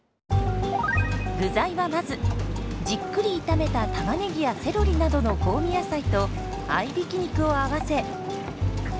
具材はまずじっくり炒めたタマネギやセロリなどの香味野菜と合いびき肉を合わせ。